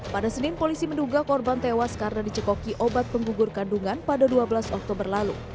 pada senin polisi menduga korban tewas karena dicekoki obat penggugur kandungan pada dua belas oktober lalu